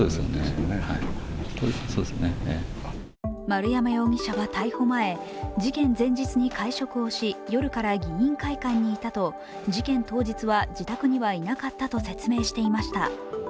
丸山容疑者は逮捕前、事件前日に会食をし、夜から議員会館にいたと事件当日は、自宅にはいなかったと説明していました。